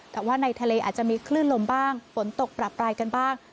แต่ว่าในทะเลอาจจะมีคลื่นลมบ้างฝนตกประปรายกันบ้าง